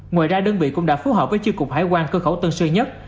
ngoài ra đơn vị cũng đã phù hợp với chương cục hải quan cơ khẩu tân sư nhất